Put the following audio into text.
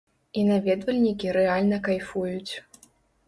І наведвальнікі рэальна кайфуюць.